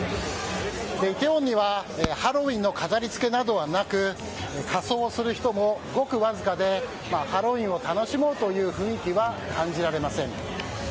梨泰院には、ハロウィーンの飾り付けなどはなく仮装する人もごくわずかでハロウィーンを楽しもうという雰囲気は感じられません。